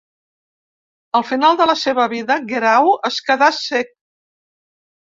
Al final de la seva vida, Guerau es quedà cec.